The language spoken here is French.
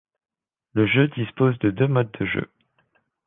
Le jeu dispose de deux modes de jeu.